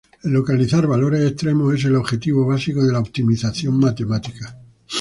El localizar valores extremos es el objetivo básico de la optimización matemática.